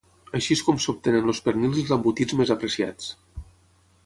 Així és com s'obtenen els pernils i els embotits més apreciats.